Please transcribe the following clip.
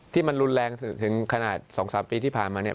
ที่มันรุนแรงถึงขนาด๒๓ปีที่ผ่านมาเนี่ย